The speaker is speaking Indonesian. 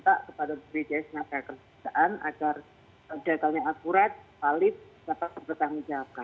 dan bertanggung jawabkan